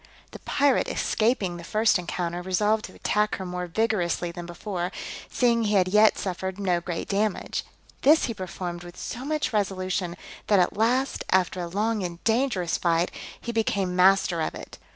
The pirate escaping the first encounter, resolved to attack her more vigorously than before, seeing he had yet suffered no great damage: this he performed with so much resolution, that at last, after a long and dangerous fight, he became master of it.